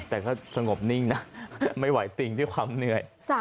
แต่ก็สงบนิ่งนะไม่ไหวติงด้วยความเหนื่อย